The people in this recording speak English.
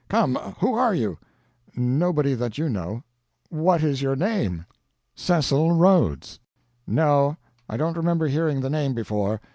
Come, who are you?" "Nobody that you know." "What is your name?" "Cecil Rhodes." "No, I don't remember hearing the name before.